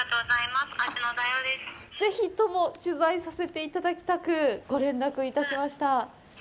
ぜひとも、取材させていただきたくご連絡いたしました。